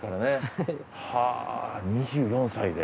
２４歳で。